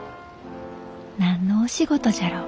何のお仕事じゃろう。